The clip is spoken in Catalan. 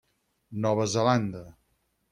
Nova Zelanda.